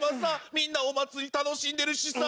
みんなお祭り楽しんでるしさ。